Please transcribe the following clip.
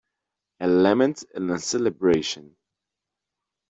A lament and a celebration.